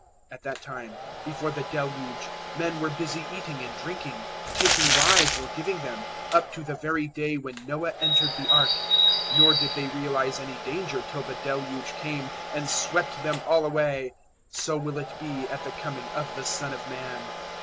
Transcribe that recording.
024:038 At that time, before the Deluge, men were busy eating and drinking, taking wives or giving them, up to the very day when Noah entered the Ark, 024:039 nor did they realise any danger till the Deluge came and swept them all away; so will it be at the Coming of the Son of Man.